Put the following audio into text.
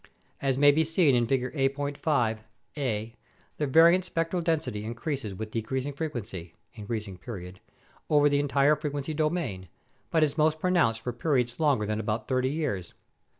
As may be seen in Figure A.5(a), the variance spectral density increases with decreasing frequency (increasing period) over the entire frequency domain but is most pronounced for periods longer than about 30 years.